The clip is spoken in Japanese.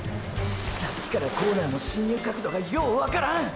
さっきからコーナーの進入角度がようわからん！！